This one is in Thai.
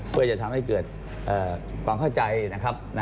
เพื่อจะทำให้เกิดความเข้าใจนะครับ